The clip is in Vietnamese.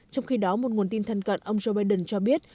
trong khi đó một nguồn tin thân cận ông joe biden cho biết